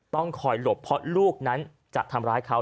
ต้องคอยหลบเพราะลูกนั้นจะทำร้ายเขา